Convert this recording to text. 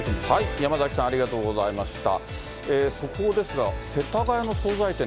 山崎さん、ありがとうございました。